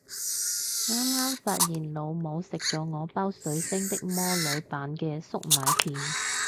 啱啱發現老母食咗我包水星的魔女版嘅粟米片